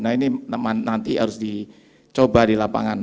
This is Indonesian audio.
nah ini nanti harus dicoba di lapangan